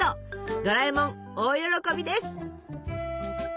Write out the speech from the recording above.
ドラえもん大喜びです。